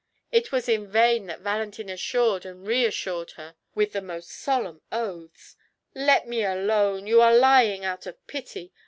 It was in vain that Valentin assured and reassured her with the most solemn oaths. "Let me alone; you are lying out of pity.